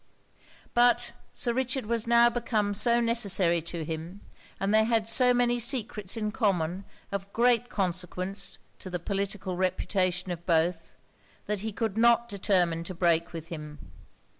But Sir Richard was now become so necessary to him, and they had so many secrets in common of great consequence to the political reputation of both, that he could not determine to break with him.